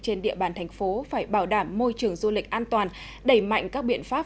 trên địa bàn thành phố phải bảo đảm môi trường du lịch an toàn đẩy mạnh các biện pháp